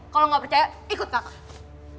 kalau nggak percaya ikut kakak